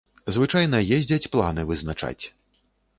Звычайна ездзяць планы вызначаць.